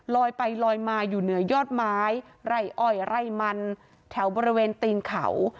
ลอยไปลอยมาอยู่เหนือยอดไม้ไร่อ้อยไร่มันแถวบริเวณตีนเขา